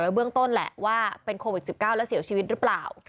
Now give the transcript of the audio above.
เบื้องต้นแหละว่าเป็นโควิด๑๙แล้วเสียชีวิตหรือเปล่า